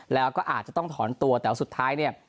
แล้วก็อาจจะต้องถอนตัวแต่ว่าสุดท้ายเนี่ย